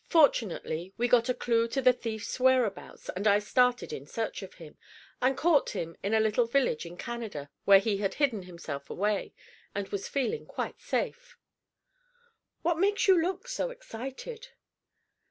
Fortunately, we got a clue to the thief's whereabouts, and I started in search of him, and caught him in a little village in Canada where he had hidden himself away, and was feeling quite safe What makes you look so excited?"